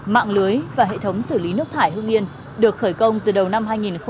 mạng lưới và hệ thống xử lý nước thải hưng yên được khởi công từ đầu năm hai nghìn một mươi